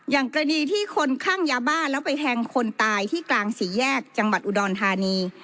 อย่างกรณีที่คนคลั่งยาบ้าแล้วไปแทงคนตายที่กลางสี่แยกจังหวัดอุดรธานี